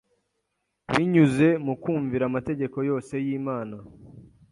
Binyuze mu kumvira amategeko yose y’Imana,